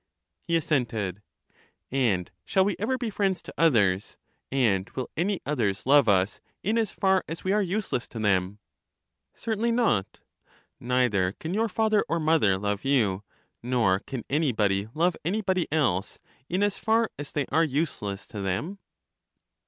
He assented. And shall we ever be friends to others? and will any others love us, in, as far as we are useless to them? Certainly not. Neither can your father or mother love you, nor 60 LYSIS can anybody love anybody else, in as far as they are useless to them?